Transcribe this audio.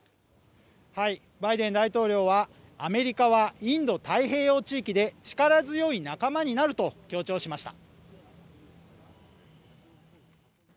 バイデン大統領は、アメリカはインド太平洋地域で力強い仲間になると強調しました。